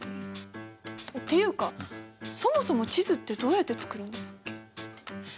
っていうかそもそも地図ってどうやって作るんですっけ？